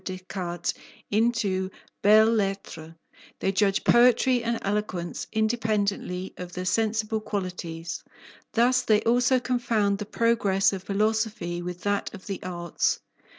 Descartes into belles lettres; they judge poetry and eloquence independently of their sensible qualities. Thus they also confound the progress of philosophy with that of the arts.